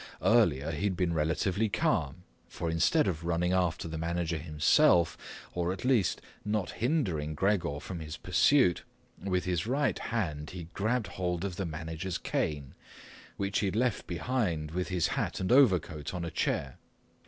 Earlier he had been relatively calm, for instead of running after the manager himself or at least not hindering Gregor from his pursuit, with his right hand he grabbed hold of the manager's cane, which he had left behind with his hat and overcoat on a chair.